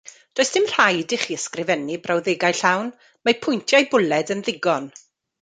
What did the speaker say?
Does dim rhaid i chi ysgrifennu brawddegau llawn, mae pwyntiau bwled yn ddigon.